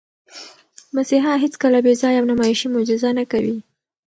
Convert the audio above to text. مسیحا هیڅکله بېځایه او نمایشي معجزه نه کوي.